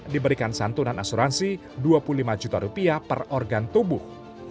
diberikan santunan asuransi rp dua puluh lima per organ tubuh